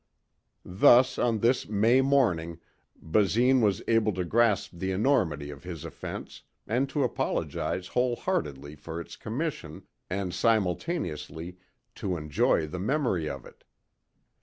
Thus on this May morning Basine was able to grasp the enormity of his offense and to apologize whole heartedly for its commission and simultaneously to enjoy the memory of it.